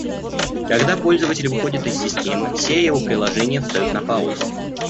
Когда пользователь выходит из системы, все его приложения встают на «паузу»